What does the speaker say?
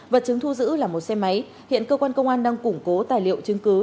vật chứng thu giữ là một xe máy hiện cơ quan công an đang củng cố tài liệu chứng cứ